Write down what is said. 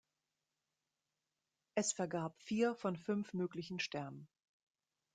Es vergab vier von fünf möglichen Sternen.